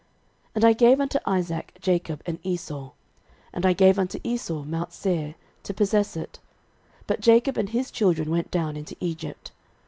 06:024:004 And I gave unto Isaac Jacob and Esau: and I gave unto Esau mount Seir, to possess it; but Jacob and his children went down into Egypt.